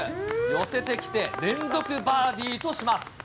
寄せてきて連続バーディーとします。